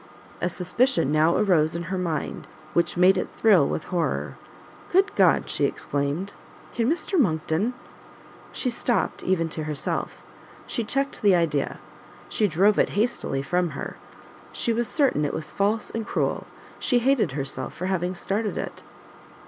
A suspicion now arose in her mind which made it thrill with horror; "good God! she exclaimed, can Mr Monckton " She stopt, even to herself; she checked the idea; she drove it hastily from her; she was certain it was false and cruel, she hated herself for having started it.